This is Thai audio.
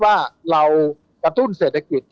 ว่าเรากระตุ้นเศรษฐกิจ